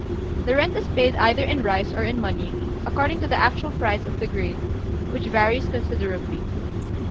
The rent is paid either in rice or in money, according to the actual price of the grain, which varies considerably.